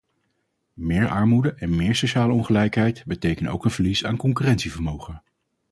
Meer armoede en meer sociale ongelijkheid betekenen ook een verlies aan concurrentievermogen.